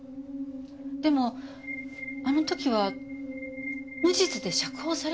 でもあの時は無実で釈放されましたよね？